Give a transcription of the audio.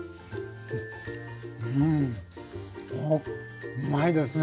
うんうまいですね。